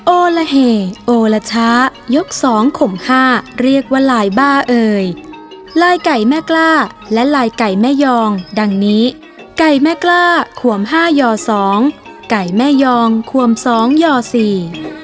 โอละเฮโอละชะยกสองข่มห้าเรียกว่าลายบ้าเอ่ยลายไก่แม่กล้าและลายไก่แม่ยองดังนี้ไก่แม่กล้าขวมห้ายอสองไก่แม่ยองขวมสองยอสี่